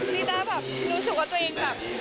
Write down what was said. ลิต้าแบบรู้สึกว่าตัวเองแบบ